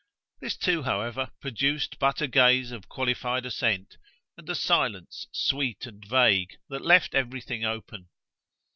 This too, however, produced but a gaze of qualified assent and a silence, sweet and vague, that left everything open.